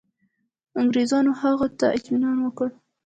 انګرېزانو هغه ته اطمیان ورکړ.